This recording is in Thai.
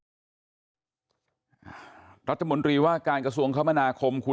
ลักษมณีศาลและความว่าการกระสูงคมนาคม